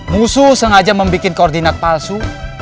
musuh sengaja membuat koordinat palsu